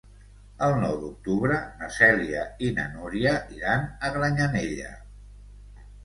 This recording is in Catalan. El nou d'octubre na Cèlia i na Núria iran a Granyanella.